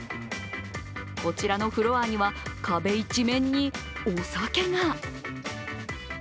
こちらのフロアには壁一面にお酒が。